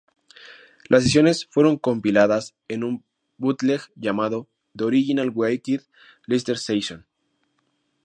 Las sesiones fueron compiladas en un bootleg llamado "The Original Wicked Lester Sessions".